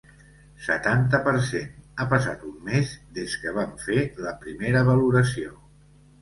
Setanta per cent Ha passat un mes des que vam fer la primera valoració.